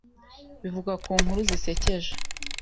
bivuga ku nkuru zisekeje